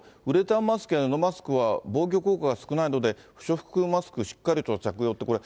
ウレタンマスクや布マスクは防御効果が少ないので、不織布マスクしっかりと着用って。